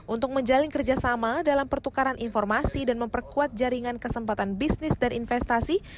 untuk menjalin kerjasama dalam pertukaran informasi dan memperkuat jaringan kesempatan bisnis dan investasi